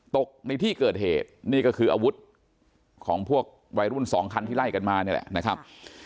ตกในที่เกิดเหตุนี่ก็คืออาวุธของพวกวัยรุ่นสองคันที่ไล่กันมานี่แหละนะครับ